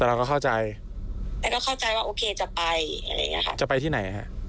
แต่เราก็เข้าใจแต่ก็เข้าใจว่าโอเคจะไปอะไรอย่างเงี้ค่ะจะไปที่ไหนฮะ